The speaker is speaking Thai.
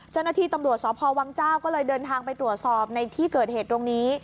เจ้าหน้าที่ตำรวจสพวังเจ้าก็เลยเดินทางไปตรวจสอบในที่เกิดเหตุตรงนี้